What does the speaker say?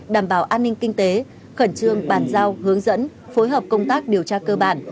đảm bảo an ninh kinh tế khẩn trương bàn giao hướng dẫn phối hợp công tác điều tra cơ bản